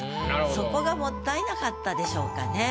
そこがもったいなかったでしょうかね。